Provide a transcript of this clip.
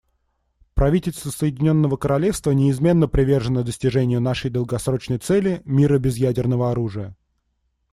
Правительство Соединенного Королевства неизменно привержено достижению нашей долгосрочной цели − мира без ядерного оружия.